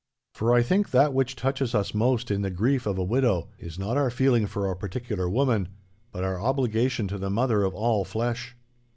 For I think that which touches us most in the grief of a widow, is not our feeling for a particular woman, but our obligation to the mother of all flesh.